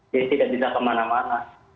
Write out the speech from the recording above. jadi tidak bisa kemana mana